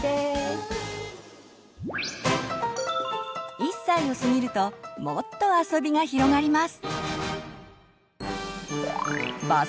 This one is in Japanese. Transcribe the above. １歳を過ぎるともっとあそびが広がります！